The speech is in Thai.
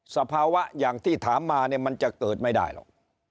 สภาวะอย่างที่ถามมาเนี่ยมันจะเกิดไม่ได้หรอก